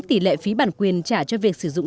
tỷ lệ phí bản quyền trả cho việc sử dụng